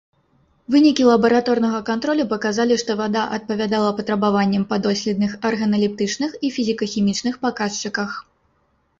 Вынікі лабараторнага кантролю паказалі, што вада адпавядала патрабаванням па доследных арганалептычных і фізіка-хімічных паказчыках.